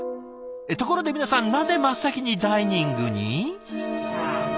ところで皆さんなぜ真っ先にダイニングに？